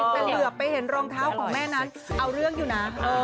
แต่เหลือไปเห็นรองเท้าของแม่นั้นเอาเรื่องอยู่นะ